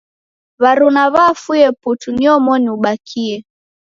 W'aruna w'afue putu ni omoni ubakie